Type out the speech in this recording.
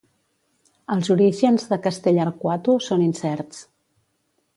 Els orígens de Castell'Arquato són incerts.